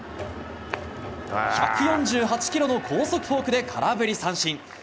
１４８キロの高速フォークで空振り三振。